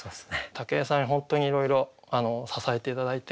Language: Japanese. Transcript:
武井さんに本当にいろいろ支えて頂いて。